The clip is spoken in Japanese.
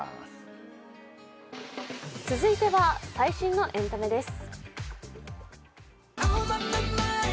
続いては、最新のエンタメです。